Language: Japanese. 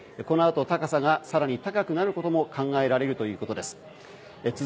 このあと高さが更に高くなることも考えられるということです。